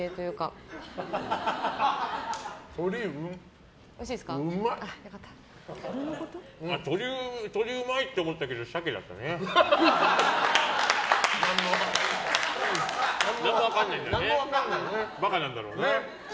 舌がバカなんだろうね。